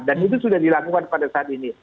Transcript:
dan itu sudah dilakukan pada saat ini